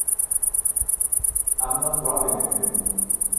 I'm not rubbing it in.